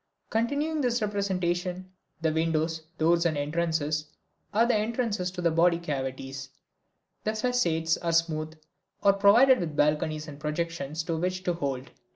Continuing this representation, the windows, doors and entrances are the entrances into the body cavities, the facades are smooth or provided with balconies and projections to which to hold.